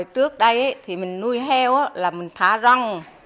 trước đây mình nuôi heo là mình thả rông